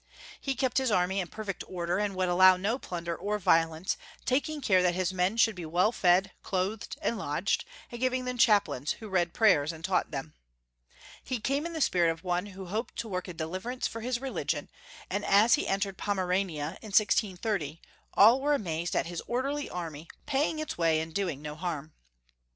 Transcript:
He kept liis army in perfect order, and would allow no plunder or violence, taking care that his men should be well fed, clothed, and lodged, and giving them chaplains, who read prayers and taught them. He came in the spirit of one who hoped to work a deliverance for liis religion, and as he entered Pomerania in 1630, all were amazed at his orderly army, paying its way and doing no harm.